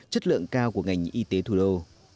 chất lượng cao của ngành y tế thủ đô